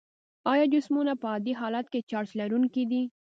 آیا جسمونه په عادي حالت کې چارج لرونکي دي؟